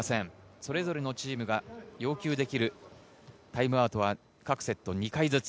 それぞれのチームが要求できる、タイムアウトは各セット２回ずつ。